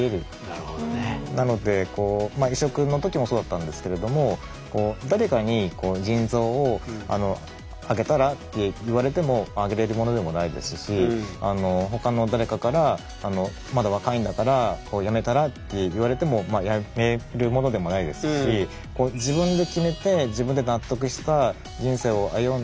なのでこう移植の時もそうだったんですけれども誰かに「腎臓をあげたら」って言われてもあげれるものでもないですし他の誰かから「まだ若いんだからやめたら？」って言われてもやめるものでもないですしを歩んで。